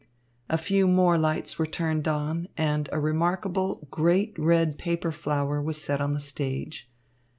A few more lights were turned on, and a remarkable, great red paper flower was set on the stage.